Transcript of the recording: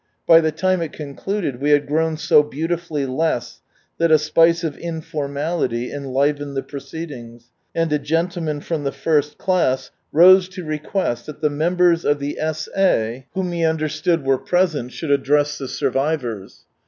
By the time it concluded we had grown so " beautifully less," that a spice of informality enhvened the proceedings, and a gentleman from the first class rose to request that the " members of the S.A. From Sunrise Land whom he understood were present " should address the survivors.